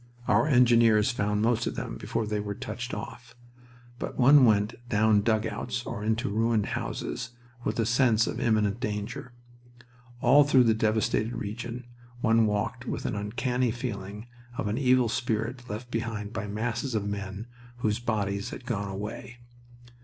Our engineers found most of them before they were touched off, but one went down dugouts or into ruined houses with a sense of imminent danger. All through the devastated region one walked with an uncanny feeling of an evil spirit left behind by masses of men whose bodies had gone away.